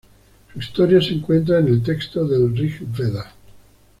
Su historia se cuenta en el texto del "Rig-veda".